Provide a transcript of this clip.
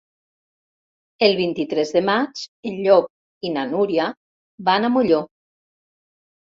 El vint-i-tres de maig en Llop i na Núria van a Molló.